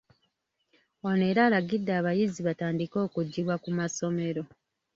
Ono era alagidde abayizi batandike okuggyibwa ku masomero